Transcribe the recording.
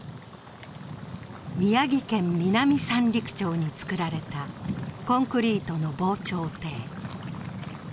宮城県南三陸町に造られたコンクリートの防潮堤。